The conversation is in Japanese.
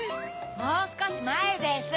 もうすこしまえです！